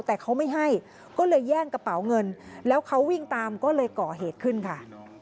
แต่เขาไม่ให้ก็เลยแย่งกระเป๋าเงินแล้วเขาวิ่งตามก็เลยก่อเหตุขึ้นค่ะ